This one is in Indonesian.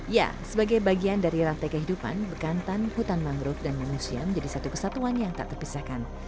ya sebagai bagian dari rantai kehidupan bekantan hutan mangrove dan manusia menjadi satu kesatuan yang tak terpisahkan